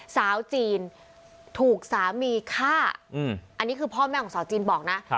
สาวจีนถูกสามีฆ่าอันนี้คือพ่อแม่ของสาวจีนบอกนะ